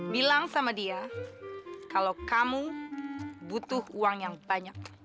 bilang sama dia kalau kamu butuh uang yang banyak